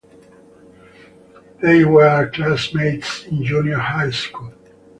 They were classmates in junior high school.